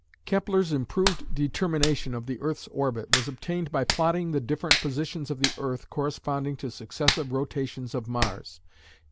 Kepler's improved determination of the earth's orbit was obtained by plotting the different positions of the earth corresponding to successive rotations of Mars, i.e.